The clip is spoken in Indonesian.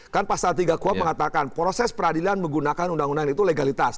kan pasal tiga kuap mengatakan proses peradilan menggunakan undang undang itu legalitas